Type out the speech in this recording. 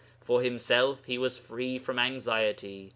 For himself he was free from anxiety.